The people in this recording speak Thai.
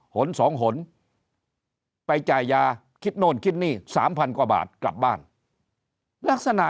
หนสองหนไปจ่ายยาคิดโน่นคิดนี่๓๐๐กว่าบาทกลับบ้านลักษณะ